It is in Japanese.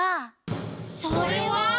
それは？